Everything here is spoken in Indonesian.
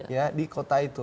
ya di kota itu